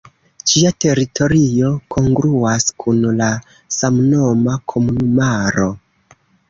Ĝia teritorio kongruas kun la samnoma komunumaro.